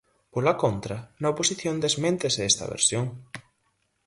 Pola contra, na oposición desméntese esta versión.